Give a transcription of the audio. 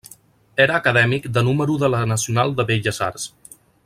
Era acadèmic de número de la Nacional de Belles Arts.